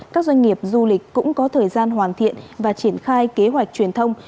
các doanh nghiệp du lịch cũng có thời gian hoàn thiện và triển khai kế hoạch truyền thông